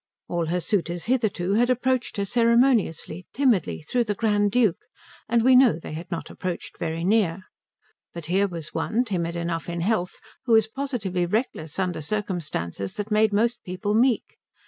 All her suitors hitherto had approached her ceremoniously, timidly, through the Grand Duke; and we know they had not approached very near. But here was one, timid enough in health, who was positively reckless under circumstances that made most people meek.